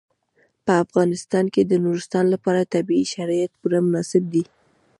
په افغانستان کې د نورستان لپاره طبیعي شرایط پوره مناسب دي.